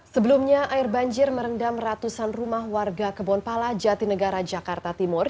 sebelumnya air banjir merendam ratusan rumah warga kebon pala jati negara jakarta timur